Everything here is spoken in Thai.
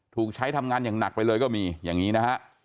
ถูกใช้ทำงานอย่างหนักไปเลยก็มีอย่างนี้นะฮะ